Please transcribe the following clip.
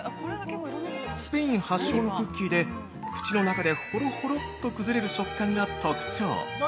スペイン発祥のクッキーで口の中でホロホロっと崩れる食感が特徴。